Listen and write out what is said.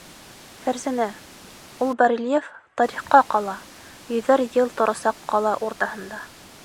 Фәрзәнә, ул барельеф тарихҡа ҡала, йөҙәр йыл торасаҡ ҡала уртаһында.